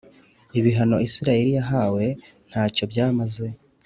Ibihano Isirayeli yahawe nta cyo byamaze